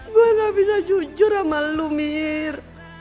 gua gabisa jujur ama lu mir